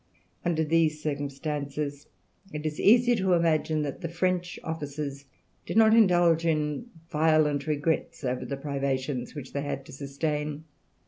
Under these circumstances it is easy to imagine that the French officers did not indulge in violent regrets over the privations which they had to sustain.